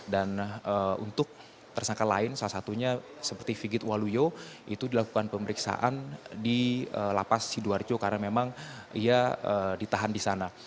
dan untuk tersangka lain salah satunya seperti figit waluyo itu dilakukan pemeriksaan di lapas sidoarjo karena memang ia ditahan di sana